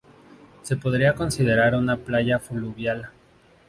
Se podría considerar una playa fluvial.